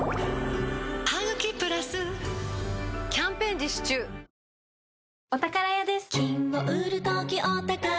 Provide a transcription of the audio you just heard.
「ハグキプラス」キャンペーン実施中２０